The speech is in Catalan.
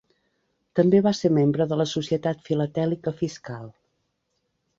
També va ser membre de la Societat Filatèlica Fiscal.